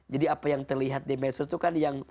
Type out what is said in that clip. jadi apa yang terlihat di medsos itu kan